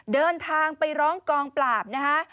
เดินทางไปร้องกองปราบนะคะ